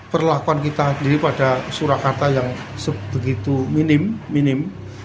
perlakuan kita sendiri pada surakarta yang sebegitu minim